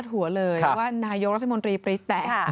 หัวเลยว่านายกรัฐมนตรีปรี๊แตก